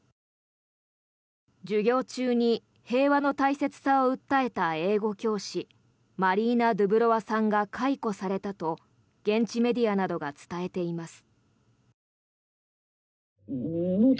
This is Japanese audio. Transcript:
授業中に平和の大切さを訴えた英語教師マリーナ・ドゥブロワさんが解雇されたと現地メディアなどが伝えています。